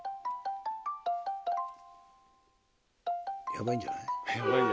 ヤバいんじゃない？